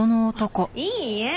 いいえ。